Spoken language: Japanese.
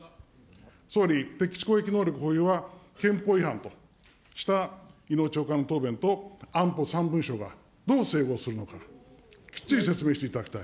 総理、敵基地攻撃能力保有は、憲法違反とした伊能長官の答弁と、安保３文書がどう整合するのか、きっちり説明していただきたい。